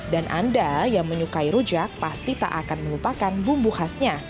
dan anda yang menyukai rujak pasti tak akan melupakan bumbu khasnya